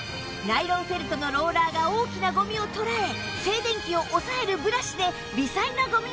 ナイロンフェルトのローラーが大きなゴミを捉え静電気を抑えるブラシで微細なゴミまでも取り除きます